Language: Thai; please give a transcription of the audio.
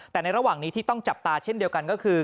แต่ในระหว่างนี้ที่ต้องจับตาเช่นเดียวกันก็คือ